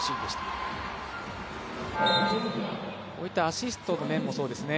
こういったアシストの面もそうですね